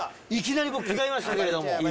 いきなり着替えましたけれども。